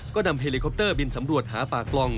ก็นำเฮลิคอปเตอร์บินสำรวจหาป่ากลอง